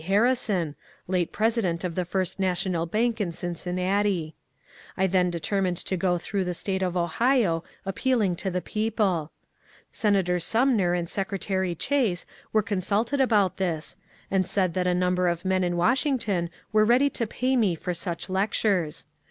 Harrison, late president of the First National Bank in Cin cinnati. I then determined to go through the State of Ohio 338 MONCUBB DANIEL CONWAY appealing to the people. Senator Sumner and Seoretarj Chase were consulted about this, and said that a number of men in Washington were ready to pay me for such lectures.